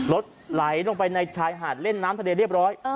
รถไหลลงไปในชายหาดเล่นน้ำทะเลเรียบร้อย